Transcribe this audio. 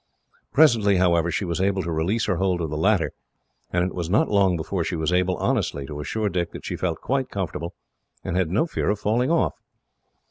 Presently, however, she was able to release her hold of the latter, and it was not long before she was able, honestly, to assure Dick that she felt quite comfortable, and had no fear of falling off.